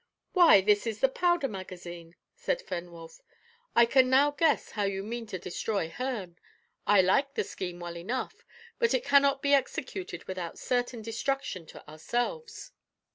"Why, this is the powder magazine," said Fenwolf. "I can now guess how you mean to destroy Herne. I like the scheme well enough; but it cannot be executed without certain destruction to ourselves."